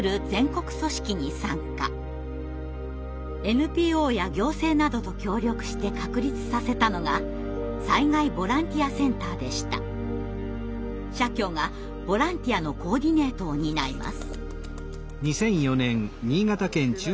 ＮＰＯや行政などと協力して確立させたのが社協がボランティアのコーディネートを担います。